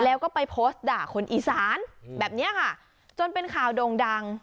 แล้วก็ไปโพสต์ด่าคนอีสานแบบนี้ค่ะจนเป็นข่าวโด่งดัง